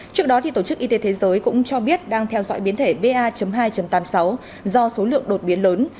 trước đó tổ chức y tế thế giới cũng cho biết đang theo dõi biến thể ba hai tám mươi sáu do số lượng đột biến lớn